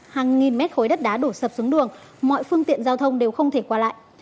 hàng nghìn mét khối đất đá đổ sập xuống đường mọi phương tiện giao thông đều không thể qua lại